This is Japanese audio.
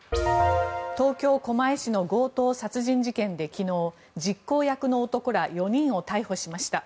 東京・狛江市の強盗殺人事件で昨日、実行役の男ら４人を逮捕しました。